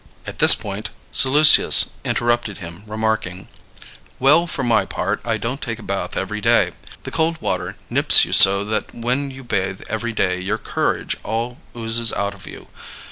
At this point Seleucus interrupted him, remarking: "Well, for my part, I don't take a bath every day. The cold water nips you so that when you bathe every day your courage all oozes out of you.